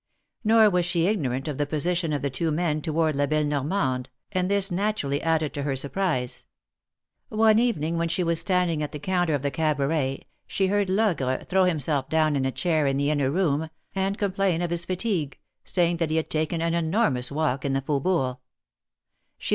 " Nor was she ignorant of the position of the two men toward La belle Normande, and this naturally added to her 269 ^•. OF PARIS. surprise. Oue e\ '' ui she was standing at the counter of the Cat ,> eard Logre throw himself down in a chair in t!u.: 'oom, and complain of his fatigue, saying that L.* h:; ^ an enormous walk in the Faubourgs. She look.